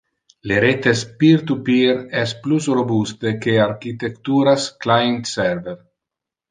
Le retes peer-to-peer es plus robuste que architecturas client-server.